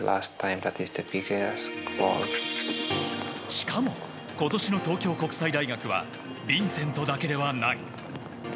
しかも、今年の東京国際大学はヴィンセントだけではない。